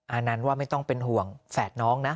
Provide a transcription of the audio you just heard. อันนั้นว่าไม่ต้องเป็นห่วงแฝดน้องนะ